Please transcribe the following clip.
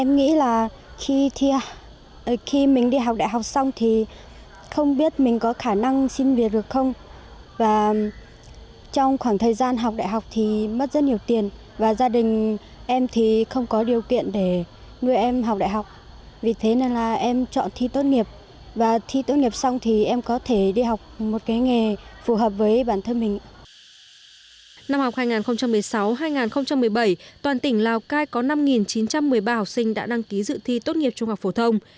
năm học hai nghìn một mươi sáu hai nghìn một mươi bảy toàn tỉnh lào cai có năm chín trăm một mươi ba học sinh đã đăng ký dự thi tốt nghiệp trung học phổ thông